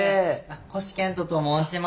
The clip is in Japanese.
星賢人と申します。